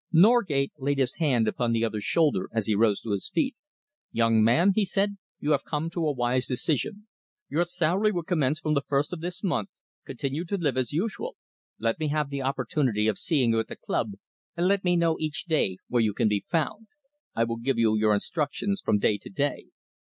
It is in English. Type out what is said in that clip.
Selingman laid his hand upon the other's shoulder as he rose to his feet. "Young man," he said, "you have come to a wise decision. Your salary will commence from the first of this month. Continue to live as usual. Let me have the opportunity of seeing you at the club, and let me know each day where you can be found. I will give you your instructions from day to day.